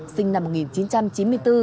sinh năm một nghìn chín trăm chín mươi bốn